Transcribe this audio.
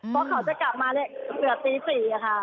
เพราะเขาจะกลับมาเนี่ยเกือบตี๔ค่ะ